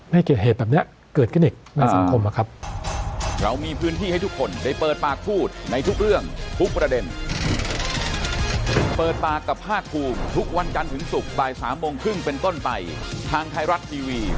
ในเหตุแบบนี้เกิดกระนิกในสังคมอะครับ